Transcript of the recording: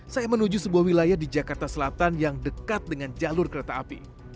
saya menuju sebuah wilayah di jakarta selatan yang dekat dengan jalur kereta api